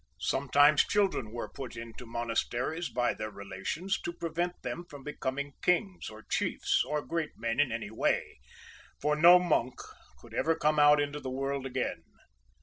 Sometimes children were put into monasteries by their relations to prevent them from becoming kings or chiefs, or great men in any way, for no monk could ever come out into the world again.